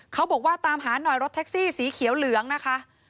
เขาบอกว่าตามหาหน่อยรถแท็กซี่สีเขียวเหลืองนะคะ